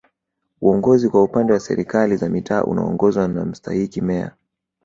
Uongozi kwa upande wa Serikali za Mitaa unaongozwa na Mstahiki Meya